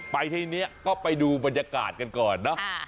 ไปที่นี้ก็ไปดูบรรยากาศกันก่อนเนอะ